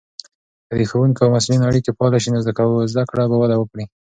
که د ښوونکو او محصلینو اړیکې فعاله سي، نو زده کړه به وده وکړي.